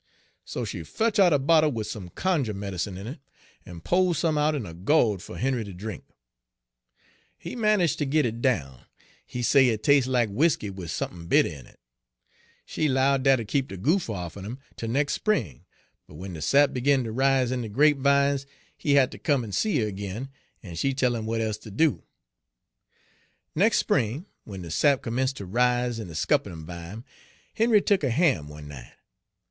So she fotch out er bottle wid some cunjuh medicine in it, en po'd some out in a go'd for Henry ter drink. He manage ter git it down; he say it tas'e like whiskey wid sump'n bitter in it. She 'lowed dat 'ud keep de goopher off'n him tel de spring: but w'en de sap Page 21 begin ter rise in de grapevimes he ha' ter come en see her ag'in, en she tell him w'at e's ter do. "Nex' spring, w'en de sap commence' ter rise in de scuppernon' vime, Henry tuk a ham one night.